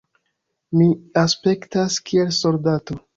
Mi aspektas kiel soldato.